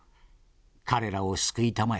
彼らを救いたまえ」。